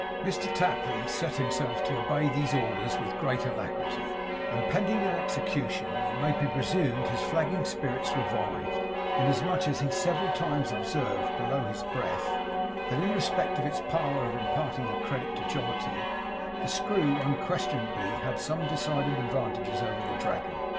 Mr Tapley set himself to obey these orders with great alacrity, and pending their execution, it may be presumed his flagging spirits revived; inasmuch as he several times observed, below his breath, that in respect of its power of imparting a credit to jollity, the Screw unquestionably had some decided advantages over the Dragon.